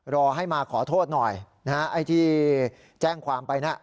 รอให้มาขอโทษหน่อยนะฮะไอ้ที่แจ้งความไปนะ